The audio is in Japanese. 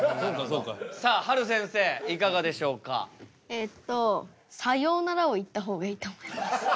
えっと「さようなら」を言った方がいいと思います。